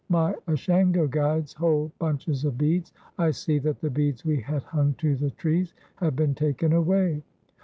My Ashango guides hold bunches of beads. I see that the beads we had hung to the trees have been taken away.